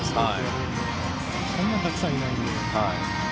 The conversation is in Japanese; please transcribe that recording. そんなにたくさんはいないので。